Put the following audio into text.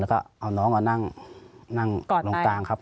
แล้วก็เอาน้องมานั่งลงกลางครับ